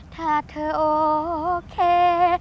ถ้าเธอโอเค